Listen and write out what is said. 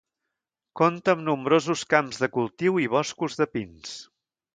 Compta amb nombrosos camps de cultiu i boscos de pins.